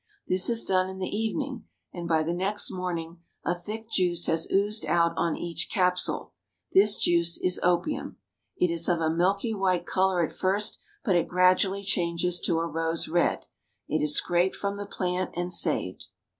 This is done in the evening, and by the next morning a thick juice has oozed out on each capsule. This juice is opium. It is of a milky white color at first, but it gradually changes to a rose red. It is scraped from the plant and saved.